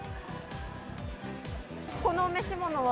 このお召し物は？